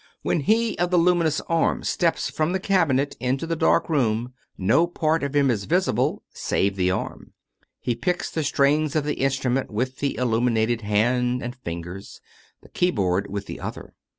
When he of the luminous arm steps from the cabinet into the dark room no part of him is visible save the arm. He picks the strings of the instrument with the illuminated hand and fingers the keyboard with the other.